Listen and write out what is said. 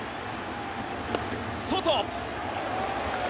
外。